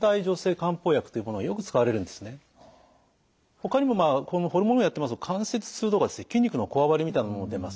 ほかにもまあホルモン療法やってますと関節痛とか筋肉のこわばりみたいなものも出ます。